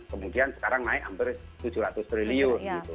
kemudian sekarang naik hampir tujuh ratus triliun